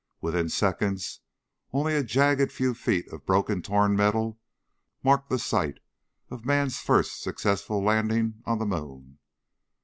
Within seconds only a jagged few feet of broken torn metal marked the site of man's first successful landing on the moon.